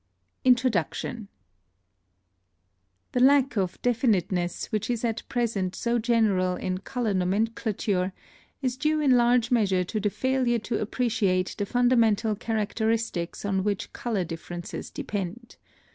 INTRODUCTION. The lack of definiteness which is at present so general in color nomenclature, is due in large measure to the failure to appreciate the fundamental characteristics on which color differences depend.